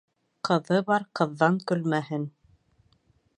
Ҡыҙы бар ҡыҙҙан көлмәһен.